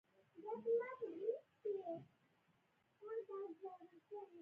خټکی له خدایه شکر غواړي.